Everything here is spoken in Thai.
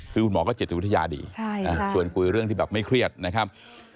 คือคุณหมอก็จิตวิทยาดีชวนคุยเรื่องที่แบบไม่เครียดนะครับ